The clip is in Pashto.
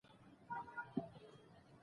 موږ باید مثبت فکر خپل عادت کړو